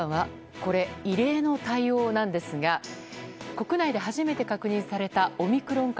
これ、異例の対応なんですが国内で初めて確認されたオミクロン株。